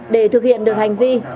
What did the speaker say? để thực hiện được hành vi